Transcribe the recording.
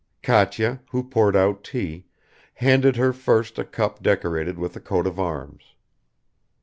Katya, who poured out tea, handed her first a cup decorated with a coat of arms.